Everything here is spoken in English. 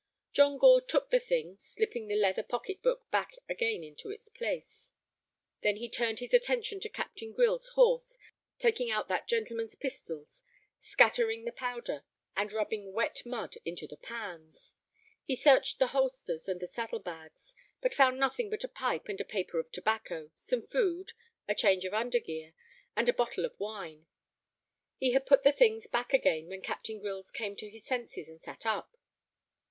John Gore took the thing, slipping the leather pocket book back again into its place. Then he turned his attention to Captain Grylls's horse, taking out that gentleman's pistols, scattering the powder, and rubbing wet mud into the pans. He searched the holsters and the saddle bags, but found nothing but a pipe and a paper of tobacco, some food, a change of undergear, and a bottle of wine. He had put the things back again when Captain Grylls came to his senses and sat up.